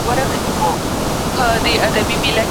شاګرد د خپلې موضوع لپاره شواهد راټولوي.